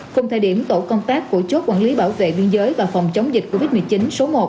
cùng thời điểm tổ công tác của chốt quản lý bảo vệ biên giới và phòng chống dịch covid một mươi chín số một